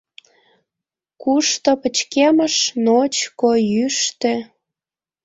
Кушто пычкемыш, ночко, йӱштӧ.